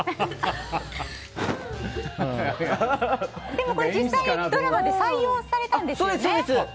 でも実際ドラマで採用されたんですよね。